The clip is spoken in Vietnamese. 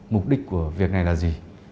mục đích của việc này là gì